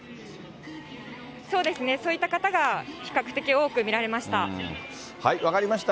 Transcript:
そうですね、そういった方が比較的多く見られました。